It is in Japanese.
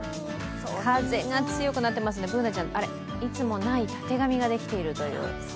風が強くなっていますのでＢｏｏｎａちゃん、いつもないたてがみができているという。